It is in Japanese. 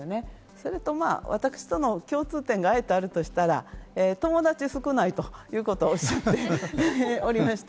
それと、まぁ私との共通点があるとしたら、友達が少ないということをおっしゃっておりました。